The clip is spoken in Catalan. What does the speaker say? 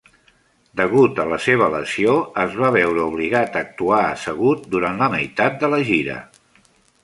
Degut a la seva lesió, es va veure obligat a actuar assegut durant la meitat de la gira.